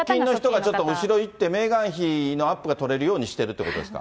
ちょっと後ろ行って、メーガン妃のアップが撮れるようにしてるっていうことですか？